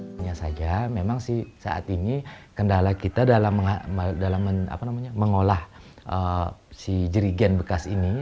sebenarnya memang saat ini kendala kita dalam mengolah si jerigian bekas ini